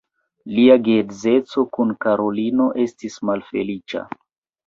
Lia geedzeco kun Karolino estis malfeliĉa.